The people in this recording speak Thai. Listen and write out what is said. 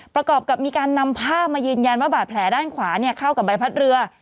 ประกอบกับมีการนำภาพมายืนยันว่าบาดแผลด้านขวาเข้ากับใบพัดเรือ